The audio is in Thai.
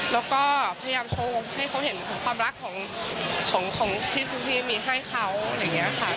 แล้วก็พยายามโชว์ให้เขาเห็นถึงความรักของพี่ซูซี่มีให้เขาอะไรอย่างนี้ค่ะ